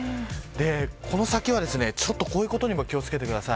この先は、ちょっとこういうことにも気を付けてください。